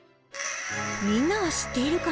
みんなは知っているかな？